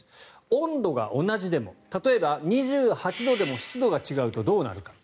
温度が同じでも例えば２８度でも湿度が違うとどうなるか。